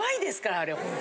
あれホント。